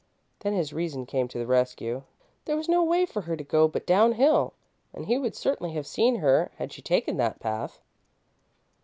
Then his reason came to the rescue there was no way for her to go but downhill, and he would certainly have seen her had she taken that path.